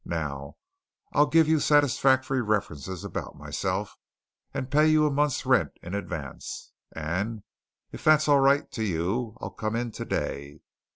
"Now I'll give you satisfactory references about myself, and pay you a month's rent in advance, and if that's all right to you, I'll come in today.